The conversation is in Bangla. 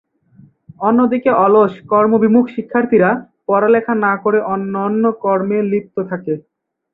অন্যদিকে অলস, কর্মবিমুখ শিক্ষার্থীরা পড়ালেখা না করে অন্যান্য কুকর্মে লিপ্ত থাকে।